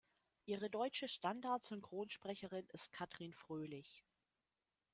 Ihre deutsche Standard-Synchronsprecherin ist Katrin Fröhlich.